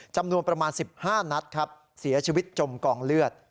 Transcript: จำนวนประมาณ๑๕นัดครับเสียชีวิตจมกองเลือด